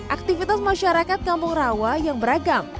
aktivitas masyarakat kampung rawa yang beragam